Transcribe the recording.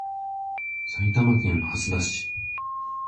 埼玉県蓮田市